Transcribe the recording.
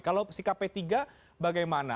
kalau si kp tiga bagaimana